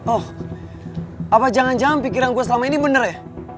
oh apa jangan jangan pikiran gue selama ini bener ya